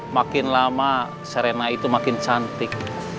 makin lama serena itu makin cantik